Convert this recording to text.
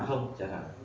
à không chẳng hạn